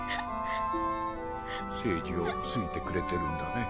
聖司を好いてくれてるんだね。